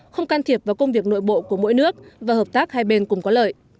không can thiệp vào công việc nội bộ của mỗi nước và hợp tác hai bên cùng có lợi